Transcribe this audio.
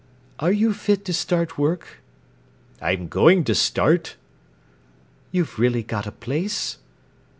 "Are you fit to start work?" "I'm going to start." "You've really got a place?"